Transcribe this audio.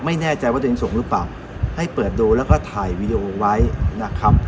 ไม่แน่ใจว่าตัวเองส่งหรือเปล่าให้เปิดดูแล้วก็ถ่ายวีดีโอไว้นะครับ